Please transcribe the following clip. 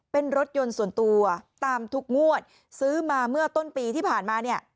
เป็นรถยนต์ส่วนตัวตามทุกงวดซื้อมาเมื่อต้นปีที่ผ่านมาเนี่ย